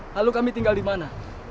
lalu kami tinggal dimana